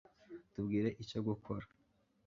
tubwire icyo gukora